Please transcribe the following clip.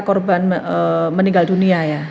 korban meninggal dunia ya